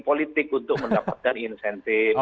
politik untuk mendapatkan insentif